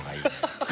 ハハハ。